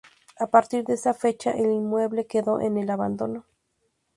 A partir de esa fecha, el inmueble quedó en el abandono.